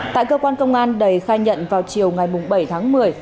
tại cơ quan công an đầy khai nhận vào chiều ngày bảy tháng một mươi